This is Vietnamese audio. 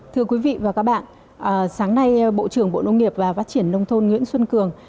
thưa quý vị và các bạn sáng nay bộ trưởng bộ nông nghiệp và phát triển nông thôn nguyễn xuân cường